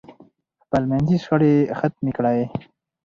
خپل منځي شخړې ختمې کړئ.